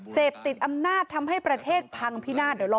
เสพติดอำนาจทำให้ประเทศพังพินาศเดี๋ยวรอ